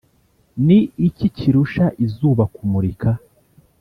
Ni iki kirusha izuba kumurika?